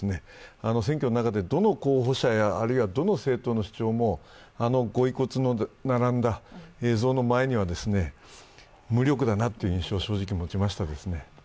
選挙の中でどの候補者やどの政党の主張もあのご遺骨の並んだ映像の前には無力だなという印象を受けました。